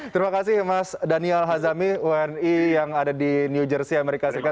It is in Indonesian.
terima kasih mas daniel hazami wni yang ada di new jersey amerika serikat